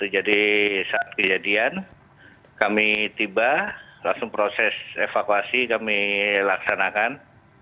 jadi saat kejadian kami tiba langsung proses evakuasi kami laksanakan